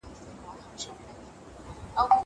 زه به انځورونه رسم کړي وي!